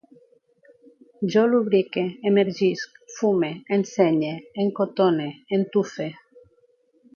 Jo lubrique, emergisc, fume, ensenye, encotone, entufe